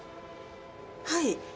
はい。